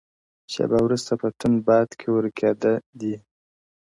• شېبه وروسته په توند باد کي ورکېده دي -